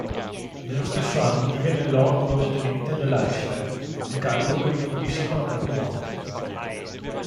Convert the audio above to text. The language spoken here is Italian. Nello stesso anno divenne Lord luogotenente dell'Ayrshire, incarico che ricoprì sino alla propria morte.